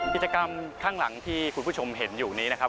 กิจกรรมข้างหลังที่คุณผู้ชมเห็นอยู่นี้นะครับ